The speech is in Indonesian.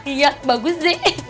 iya bagus sih